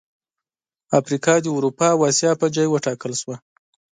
افریقا د اروپا او اسیا پر ځای وټاکل شوه.